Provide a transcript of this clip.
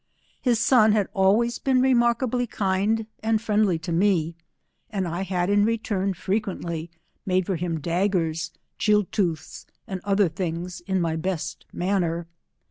His son bad always been remarkably kind and friendly to me, and I had in return frequently made for him daggers, cheetooKhs, arsd other things, in my best manner.